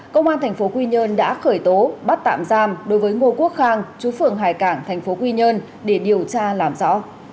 công an thành phố quy nhơn đã khởi tố bắt tạm giam đối với ngô quốc khang chú phường hải cảng thành phố quy nhơn để điều tra làm rõ